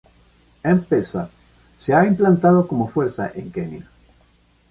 M-Pesa se ha implantado con fuerza en Kenia.